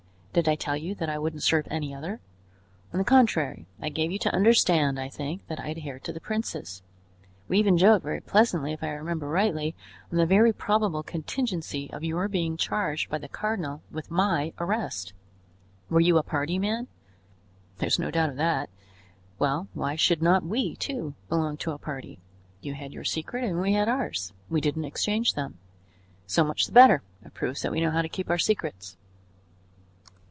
Did I tell you that I wouldn't serve any other? On the contrary, I gave you to understand, I think, that I adhered to the princes. We even joked very pleasantly, if I remember rightly, on the very probable contingency of your being charged by the cardinal with my arrest. Were you a party man? There is no doubt of that. Well, why should not we, too, belong to a party? You had your secret and we had ours; we didn't exchange them. So much the better; it proves that we know how to keep our secrets."